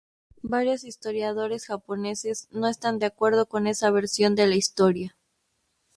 Varios historiadores japoneses no están de acuerdo con esa versión de la historia.